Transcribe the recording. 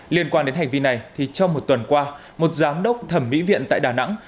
liên quan đến hành vi này thì trong một tuần qua một giám đốc thẩm mỹ viện tại đà nẵng